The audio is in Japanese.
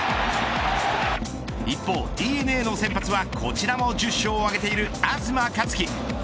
一方、ＤｅＮＡの先発はこちらも１０勝を挙げている東克樹。